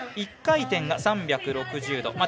１回転が３６０度。